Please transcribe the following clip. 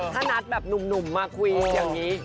ถ้านัดแบบหนุ่มมาคุยอย่างนี้